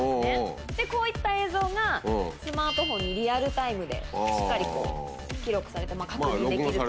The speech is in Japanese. でこういった映像がスマートフォンにリアルタイムでしっかり記録されて確認できる。